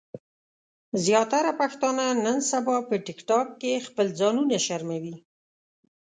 زياتره پښتانۀ نن سبا په ټک ټاک کې خپل ځانونه شرموي